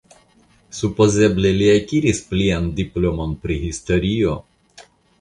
Supozeble li akiris plian diplomon pri historio?